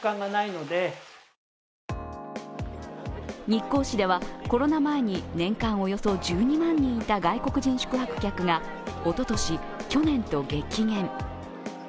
日光市では、コロナ前に年間およそ１２万人いた外国人宿泊客がおととし、去年と激減。